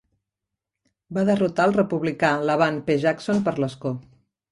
Va derrotar al republicà Laban P. Jackson per l'escó.